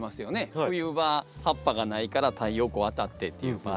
冬場葉っぱがないから太陽光当たってっていう場合。